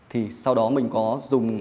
thì sau đó mình có dùng